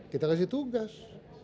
kita kasih tugas